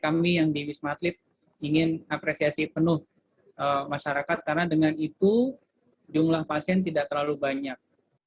kami yang di wisma atlet ingin apresiasi penuh masyarakat karena dengan itu jumlah pasien tidak terlalu banyak